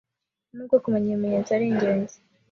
Nubwo kumenya ibi bimenyetso ari ingenzi